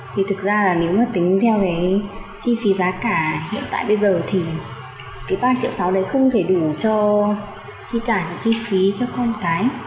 thì thực ra là nếu mà tính theo cái chi phí giá cả hiện tại bây giờ thì cái ba triệu sáu đấy không thể đủ cho chi trả chi phí cho con cái